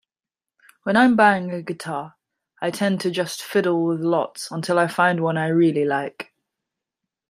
When I'm buying a guitar I tend to just fiddle with lots until I find one I really like.